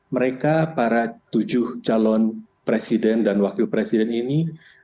mereka para tujuh calon presiden dan wakil presiden ini